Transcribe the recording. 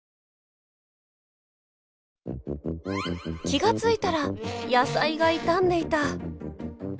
気が付いたら野菜が傷んでいた。